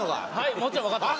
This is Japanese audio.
もちろんわかってます。